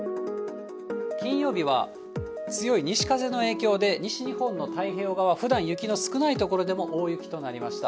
金曜日は、強い西風の影響で西日本の太平洋側、ふだん雪の少ない所でも大雪となりました。